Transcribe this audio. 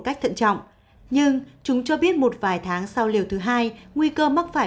cách thận trọng nhưng chúng cho biết một vài tháng sau liều thứ hai nguy cơ mắc phải